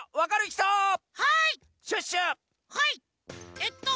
えっと